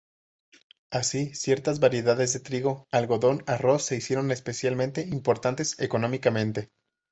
Así ciertas variedades de trigo, algodón, arroz se hicieron especialmente importantes económicamente.